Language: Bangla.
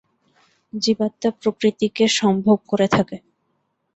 জীবাত্মা প্রকৃতিকে সম্ভোগ করে থাকে।